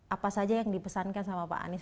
apa saja yang dipesankan sama pak anies